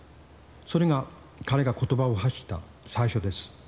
それが彼が言葉を発した最初です。